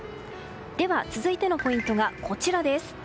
では、続いてのポイントがこちらです。